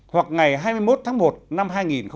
hoặc ngày hai mươi một tháng một năm hai nghìn hai mươi